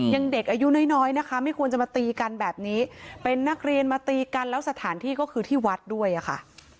ยังเด็กอายุน้อยน้อยนะคะไม่ควรจะมาตีกันแบบนี้เป็นนักเรียนมาตีกันแล้วสถานที่ก็คือที่วัดด้วยอะค่ะ